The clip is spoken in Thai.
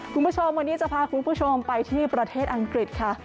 คุณผู้ชมวันนี้จะพาคุณผู้ชมไปที่ประเทศอังกฤษค่ะ